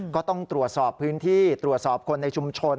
ก็ต้องตรวจสอบพื้นที่ตรวจสอบคนในชุมชน